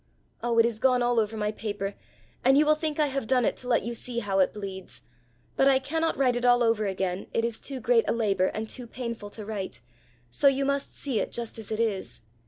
Oh, it is gone all over my paper and you will think I have done it to let you see how it bleeds but I cannot write it all over again it is too great a labour and too painful to write, so you must see it just as it is.